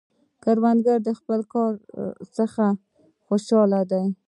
کروندګر د خپل کار څخه خوشحال دی